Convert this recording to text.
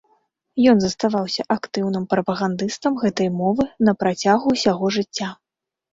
Ён заставаўся актыўным прапагандыстам гэтай мовы напрацягу ўсяго жыцця.